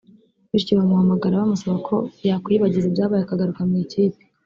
bityo bamuhamagara bamusaba ko yakwiyibagiza ibyabaye akagaruka mu ikipe